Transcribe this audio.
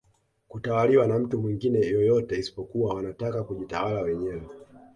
Kutawaliwa na mtu mwingine yoyote isipokuwa wanataka kujitawala wenyewe